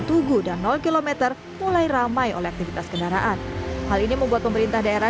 tugu dan kilometer mulai ramai oleh aktivitas kendaraan hal ini membuat pemerintah daerah